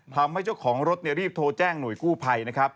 ทำให้เจ้าของรถรีบโทรแจ้งหน่วยกู้ภัยนะครับ